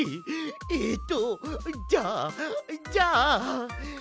えっとじゃあじゃあ。